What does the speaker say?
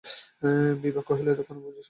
বিভা কহিল, এতক্ষণে বুঝি সর্বনাশ হইল!